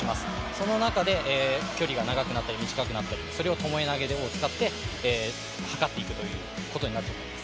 その中で距離が長くなったり、短くなったり、それをともえ投げを使ってはかっていくことになると思います。